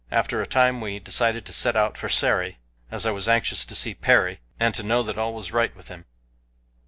After a time we decided to set out for Sari, as I was anxious to see Perry, and to know that all was right with him.